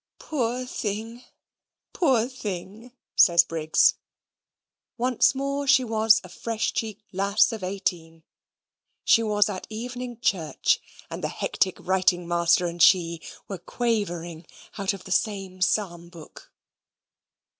"Poor thing, poor thing!" says Briggs. Once more she was a fresh cheeked lass of eighteen; she was at evening church, and the hectic writing master and she were quavering out of the same psalm book.